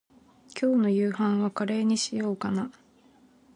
今日の夕飯はカレーにしようかな。